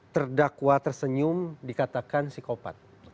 terdakwa tersenyum dikatakan psikopat